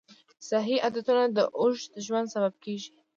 صحي عادتونه د اوږد ژوند سبب کېږي.